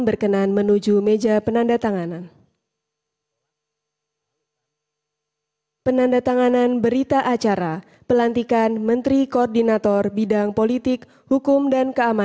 bekerja dengan sebaik baiknya